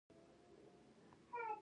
د مادون ملاتړ پکار دی